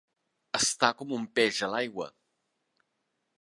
Estar com un peix a l'aigua.